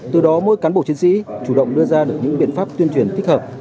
từ đó mỗi cán bộ chiến sĩ chủ động đưa ra được những biện pháp tuyên truyền thích hợp